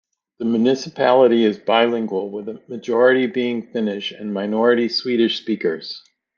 The municipality is bilingual, with majority being Finnish and minority Swedish speakers.